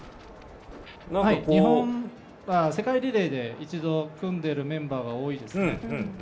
世界リレーで一度組んでるメンバーが多いですね。